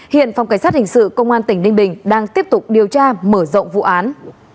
hiện phòng cảnh sát hình sự công an tỉnh ninh bình đang tiếp tục điều tra mở rộng vụ án